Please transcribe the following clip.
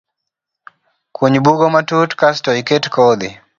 Kuny bugo matut kasto iket kodhi